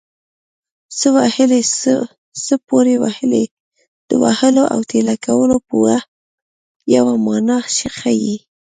څه وهلی څه پورې وهلی د وهلو او ټېله کولو یوه مانا ښيي